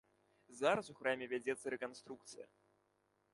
Зараз у храме вядзецца рэканструкцыя.